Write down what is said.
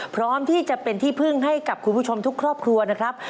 พร้อมที่จะเป็นที่พึ่งให้กับคุณผู้ชมทุกครอบครัวนะครับ